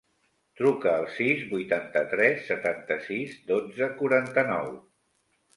Truca al sis, vuitanta-tres, setanta-sis, dotze, quaranta-nou.